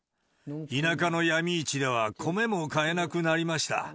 田舎の闇市では米も買えなくなりました。